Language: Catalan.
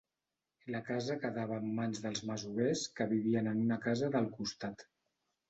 La casa quedava en mans dels masovers que vivien en una casa del costat.